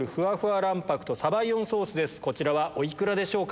こちらはお幾らでしょうか？